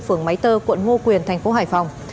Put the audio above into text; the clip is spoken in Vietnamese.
phường máy tơ quận ngô quyền thành phố hải phòng